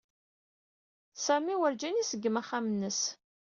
Sami werǧin iṣeggem axxam-nnes.